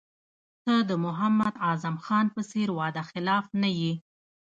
ته د محمد اعظم خان په څېر وعده خلاف نه یې.